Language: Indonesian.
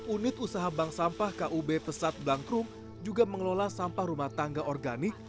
unit usaha bank sampah kub pesat blankrum juga mengelola sampah rumah tangga organik